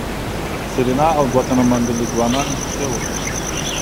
سېرېنا او دوه تنه منډلي ځوانان کېوتل.